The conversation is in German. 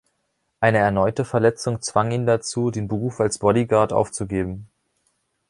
Eine erneute Verletzung zwang ihn dazu, den Beruf als Bodyguard aufzugeben.